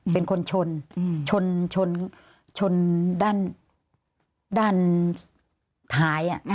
เป็นคนชนชนด้านท้าย